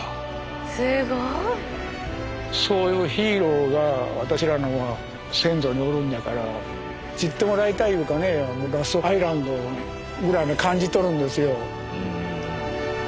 すごい！そういうヒーローが私らの先祖におるんやから知ってもらいたいいうかねラストアイランドぐらいに感じとるんですよ。